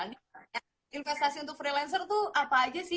investasi untuk freelancer tuh apa aja sih